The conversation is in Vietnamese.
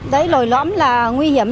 đấy lồi lõm là nguy hiểm